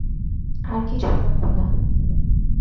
আর কিছু লাগবে না।